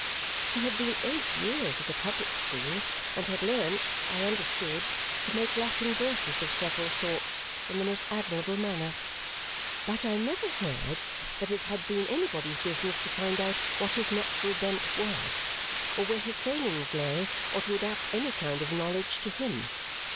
He had been eight years at a public school and had learnt, I understood, to make Latin verses of several sorts in the most admirable manner. But I never heard that it had been anybody's business to find out what his natural bent was, or where his failings lay, or to adapt any kind of knowledge to HIM.